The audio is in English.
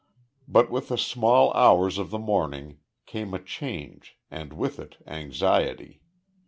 But with the small hours of the morning came a change, and with it anxiety.